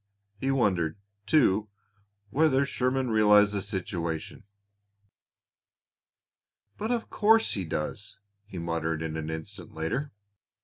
He wondered, too, whether Sherman realized the situation. "But of course he does!" he muttered an instant later.